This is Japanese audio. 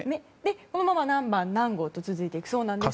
このまま何番何号と続いていくそうですが。